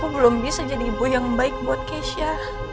aku belum bisa jadi ibu yang baik buat keisha